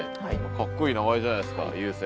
かっこいい名前じゃないですか悠生。